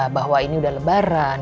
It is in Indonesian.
bahwa ini udah lebaran